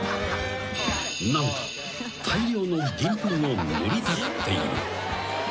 ［何と大量の銀粉を塗りたくっている］